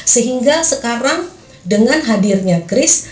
sehingga sekarang dengan hadirnya chris